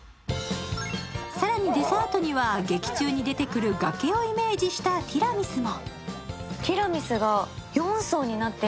更にデザートには劇中に出てくる崖をイメージしたティラミスも。